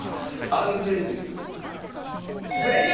安全靴正解！